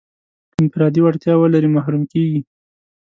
انفرادي وړتیا ولري محروم کېږي.